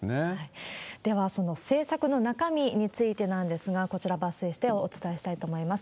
ではその政策の中身についてなんですが、こちら、抜粋してお伝えしたいと思います。